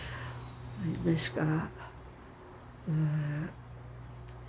ですから。